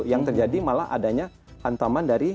yang terjadi malah adanya hantaman dari